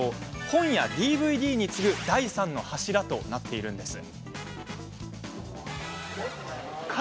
本やＤＶＤに次ぐ第３の柱となっているんです。